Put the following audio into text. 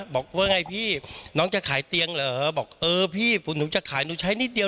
บอกว่าไงพี่น้องจะขายเตียงเหรอบอกเออพี่หนูจะขายหนูใช้นิดเดียว